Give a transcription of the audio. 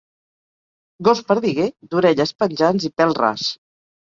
Gos perdiguer d'orelles penjants i pèl ras.